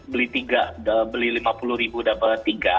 beli rp lima puluh dapat rp tiga